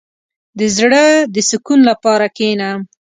• د زړۀ د سکون لپاره کښېنه.